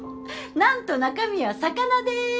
何と中身は魚です！